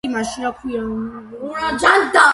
ხეობა შემოსილია ტყითა და მდელოებით.